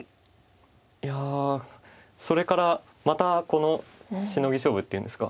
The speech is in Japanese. いやそれからまたこのシノギ勝負っていうんですか。